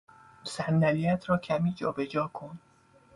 صندلیات را کمی جابجا کن